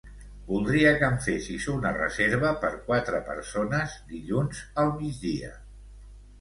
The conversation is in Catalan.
Voldria que em fessis una reserva per quatre persones dilluns al migdia.